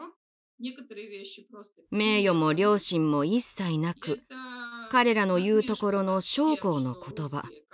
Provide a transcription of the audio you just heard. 名誉も良心も一切なく彼らの言うところの将校の言葉。